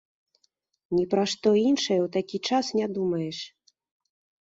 Ні пра што іншае ў такі час не думаеш.